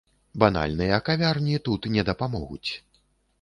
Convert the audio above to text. Банальныя кавярні тут не дапамогуць.